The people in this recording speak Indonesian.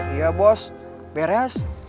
iya bos beres